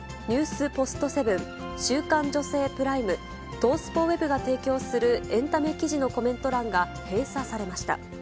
ポストセブン、週刊女性ＰＲＩＭＥ、東スポＷｅｂが提供するエンタメ記事のコメント欄が閉鎖されました。